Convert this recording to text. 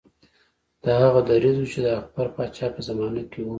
دا هغه دریځ و چې د اکبر پاچا په زمانه کې و.